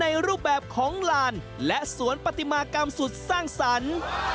ในรูปแบบของลานและสวนปฏิมากรรมสุดสร้างสรรค์